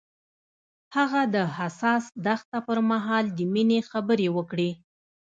هغه د حساس دښته پر مهال د مینې خبرې وکړې.